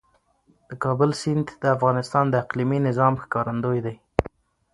د کابل سیند د افغانستان د اقلیمي نظام ښکارندوی دی.